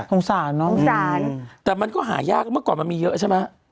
สงสารน้องสงสารแต่มันก็หายากเมื่อก่อนมันมีเยอะใช่ไหม